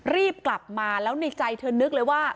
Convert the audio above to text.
รีบกลับมาแล้วในใจเธอนึกเลยว่า